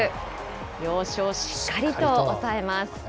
要所をしっかりとおさえます。